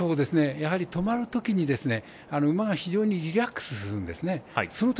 止まるときに馬が非常にリラックスするんですね。